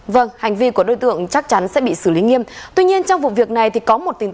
vâng hành vi của đối tượng chắc chắn sẽ bị xử lý nghiêm